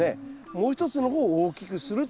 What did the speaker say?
もう一つの方を大きくするという。